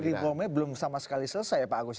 jadi reformnya belum sama sekali selesai ya pak agus